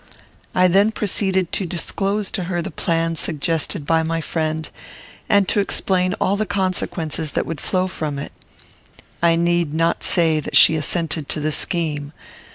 I then proceeded to disclose to her the plan suggested by my friend, and to explain all the consequences that would flow from it. I need not say that she assented to the scheme.